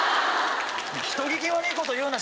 人聞き悪いこと言うな！